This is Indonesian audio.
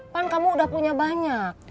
pan kamu udah punya banyak